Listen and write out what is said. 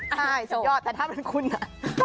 ใช่สุดยอดแต่ถ้ามันคุ้นนะ